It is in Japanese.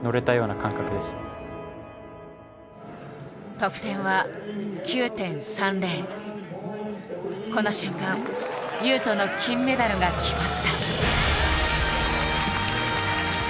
得点はこの瞬間雄斗の金メダルが決まった。